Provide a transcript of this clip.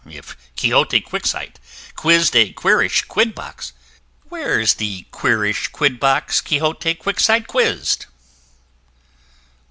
If Quixote Quicksight quiz'd a queerish Quidbox, Where's the queerish Quidbox Quixote Quicksight quiz'd?